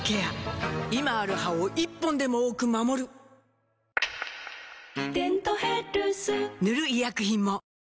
今ある歯を１本でも多く守る「デントヘルス」塗る医薬品も